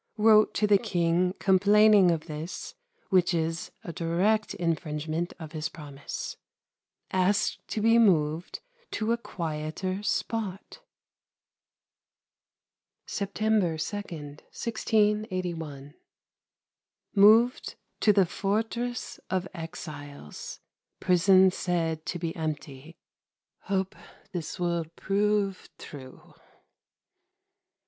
Wrote to the King complaining of this which is a direct infringement of his promise. Asked to be moved to a quieter spot. September 2,1681. Moved to the Fortress of Exiles. Prison said to be empty. Hope this will prove true.